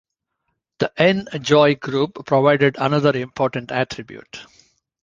The N-Joi group provided another important attribute.